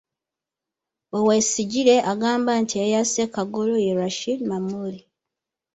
Owoyesigire agamba nti eyasse Kagolo ye Rashid Mamuli.